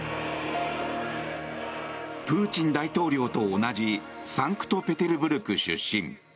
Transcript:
プーチン大統領と同じサンクトペテルブルク出身。